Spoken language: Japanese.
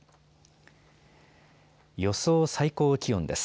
予想最高気温です。